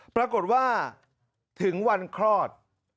ปรากฏว่าถึงวันคลอด